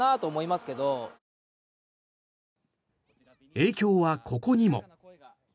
影響はここにも。